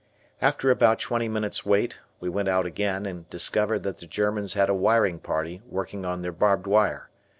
After about twenty minutes' wait we went out again and discovered that the Germans had a wiring party working on their barbed wire.